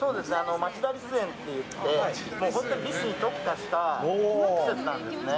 町田リス園って言って本当にリスに特化した動物園なんですね。